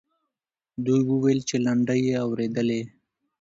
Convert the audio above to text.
دوی وویل چې لنډۍ یې اورېدلې.